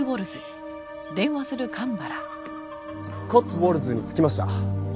コッツウォルズに着きました。